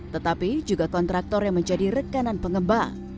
tetapi juga kontraktor yang menjadi rekanan pengembang